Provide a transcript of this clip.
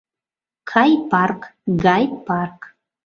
Кай-парк — Гайд-парк.